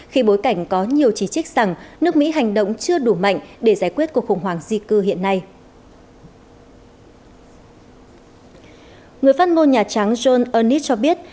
khi bối cảnh có nhiều chỉ trích rằng nước mỹ hành động chưa đủ mạnh để giải quyết cuộc khủng hoảng diệt